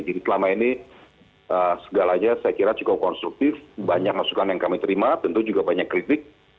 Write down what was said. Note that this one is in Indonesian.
jadi selama ini segalanya saya kira cukup konstruktif banyak masukan yang kami terima tentu juga banyak kritik